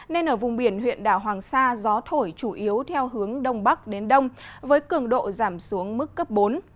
nên ở vùng biển huyện đảo hoàng sa gió thổi chủ yếu theo hướng đông bắc đến đông với cường độ giảm xuống mức cấp bốn